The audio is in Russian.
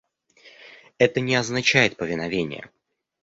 Это не означает повиновение.